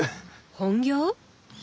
本業？